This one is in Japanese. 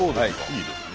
いいですね。